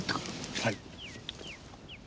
はい。